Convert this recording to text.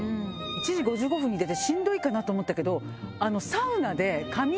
１時５５分に出てしんどいかなと思ったけど。